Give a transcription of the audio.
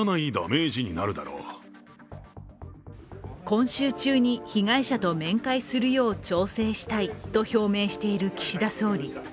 今週中に被害者と面会するよう調整したいと表明している岸田総理。